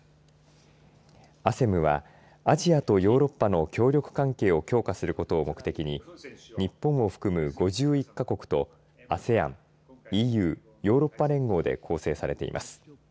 ＡＳＥＭはアジアとヨーロッパの協力関係を強化することを目的に日本を含む５１か国とＡＳＥＡＮＥＵヨーロッパ連合で構成されています。